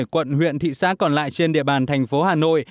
hai mươi bảy quận huyện thị xác còn lại trên địa bàn thành phố hà nội